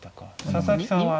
佐々木さんは？